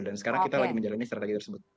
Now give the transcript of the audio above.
dan sekarang kita lagi menjalani strategi tersebut